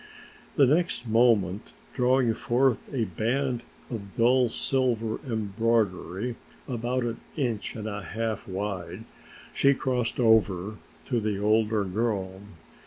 The next moment drawing forth a band of dull silver embroidery about an inch and a half wide, she crossed over to the older girl.